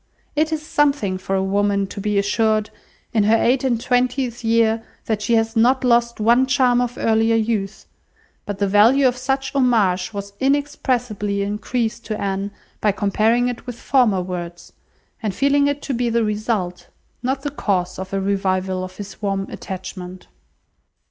It is something for a woman to be assured, in her eight and twentieth year, that she has not lost one charm of earlier youth; but the value of such homage was inexpressibly increased to Anne, by comparing it with former words, and feeling it to be the result, not the cause of a revival of his warm attachment.